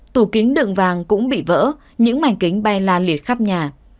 tủ kính đựng vàng cũng bị vỡ những mành kính bay lan liệt khắp nhà